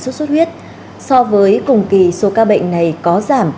xuất xuất huyết so với cùng kỳ số ca bệnh này có giảm